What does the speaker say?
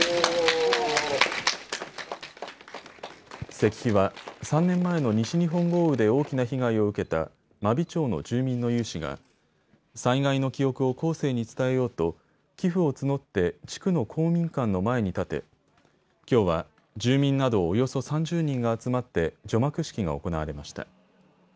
石碑は３年前の西日本豪雨で大きな被害を受けた真備町の住民の有志が災害の記憶を後世に伝えようと寄付を募って地区の公民館の前に建てきょうは住民などおよそ３０人が集まって除幕式が行われました。